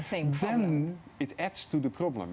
mulai menggunakan air tanah yang dalam